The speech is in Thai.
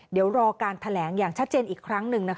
เดี๋ยวรอการแถลงอย่างชัดเจนอีกครั้งหนึ่ง